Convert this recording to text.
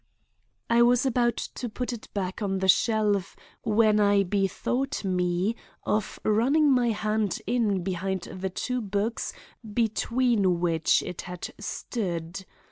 I was about to put it back on the shelf, when I bethought me of running my hand in behind the two books between which it had stood.